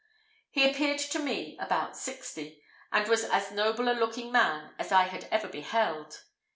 He appeared to me about sixty, and was as noble a looking man as I had ever beheld.